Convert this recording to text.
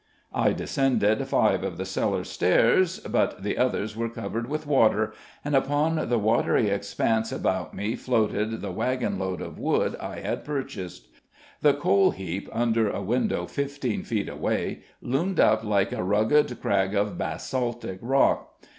I descended five of the cellar stairs, but the others were covered with water, and upon the watery expanse about me floated the wagon load of wood I had purchased. The coal heap, under a window fifteen feet away, loomed up like a rugged crag of basaltic rock.